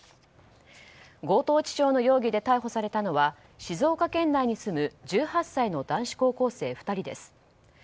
強盗致傷の容疑で逮捕されたのは静岡県内に住む１８歳の男子高校生２人です。